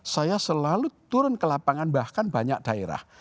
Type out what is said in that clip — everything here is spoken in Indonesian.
saya selalu turun ke lapangan bahkan banyak daerah